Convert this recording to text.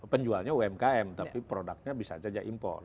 penjualnya umkm tapi produknya bisa saja impor